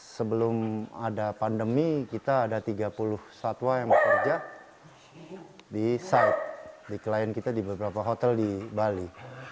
sebelum ada pandemi kita ada tiga puluh satwa yang bekerja di site di klien kita di beberapa hotel di bali